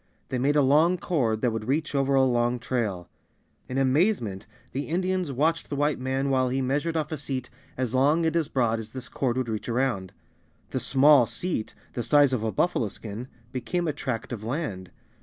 They made a long cord that would reach over a long trail. In amazement the Indians watched the White man while he measured off a seat as long and as broad as this cord would reach around. The "small seat," the size of a buffalo skin, became a tract of land.